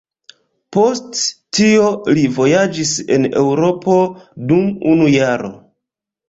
Post tio li vojaĝis en Eŭropo dum unu jaro.